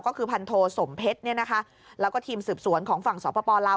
ก็คือพันธสมเพชรและทีมสืบสวนของฝั่งสพลาว